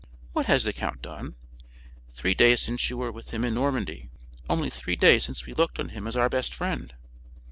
What has the count done? Three days since you were with him in Normandy; only three days since we looked on him as our best friend."